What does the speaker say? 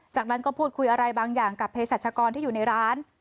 จากนั้นก็พูดคุยอะไรบางอย่างกับเพศรัชกรที่อยู่ในร้าน